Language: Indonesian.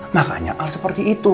makanya al seperti itu